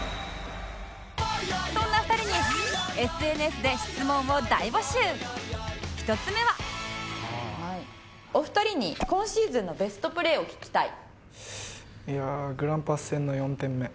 そんな２人に１つ目はお二人に今シーズンのベストプレーを聞きたい。